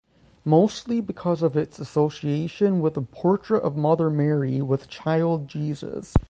Mostly because of its association with a portrait of Mother Mary with child Jesus.